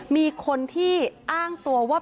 มีคนที่อ้างตัวว่า